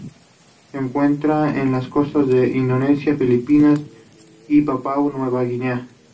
Se encuentra en las costas de Indonesia, Filipinas y Papúa Nueva Guinea.